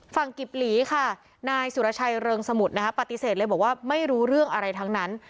กิบหลีค่ะนายสุรชัยเริงสมุทรนะคะปฏิเสธเลยบอกว่าไม่รู้เรื่องอะไรทั้งนั้น